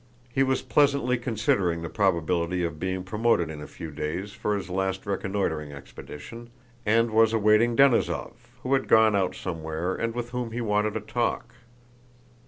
He was pleasantly considering the probability of being promoted in a few days for his last reconnoitering expedition, and was awaiting Denísov, who had gone out somewhere and with whom he wanted a talk.